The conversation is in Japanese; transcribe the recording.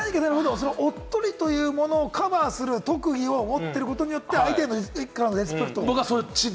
おっとりというものをカバーする特技を持ってることによって相手へのリスペクト。